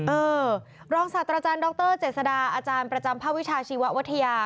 เออรองศาสตราจารย์ดรเจษฎาอาจารย์ประจำภาควิชาชีวัทยา